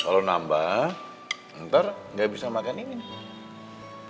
kalau nambah ntar nggak bisa makan ini nih